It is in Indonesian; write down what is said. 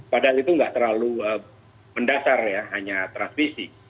padahal itu nggak terlalu mendasar ya hanya transmisi